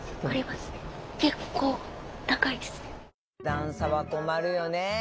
段差は困るよね。